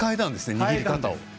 握り方を。